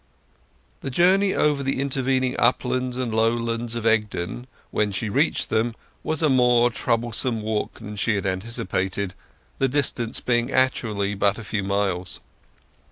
The journey over the intervening uplands and lowlands of Egdon, when she reached them, was a more troublesome walk than she had anticipated, the distance being actually but a few miles.